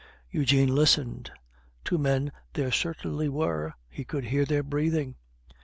Eugene listened; two men there certainly were, he could hear their breathing.